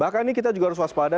bahkan ini kita juga harus waspada